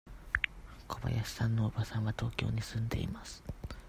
小林さんのおばさんは東京に住んでいます。